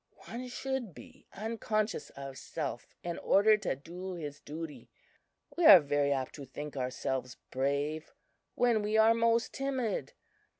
One should be unconscious of self in order to do his duty. We are very apt to think ourselves brave, when we are most timid.